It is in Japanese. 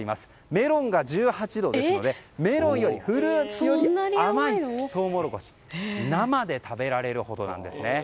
メロンが１８度ですのでメロンより、フルーツより甘いトウモロコシを生で食べられるほどなんです。